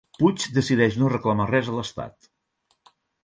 Puig decideix no reclamar res a l'estat